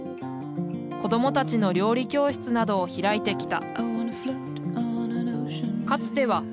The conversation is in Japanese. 子供たちの料理教室などを開いてきた。